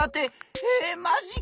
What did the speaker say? えマジか！